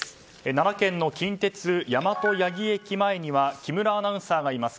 奈良県の近鉄大和八木駅前には木村アナウンサーがいます。